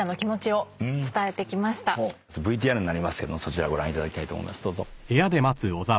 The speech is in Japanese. ＶＴＲになりますけどそちらご覧いただきたいと思います。